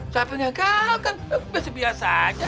siapa nya kau kan biasa biasa aja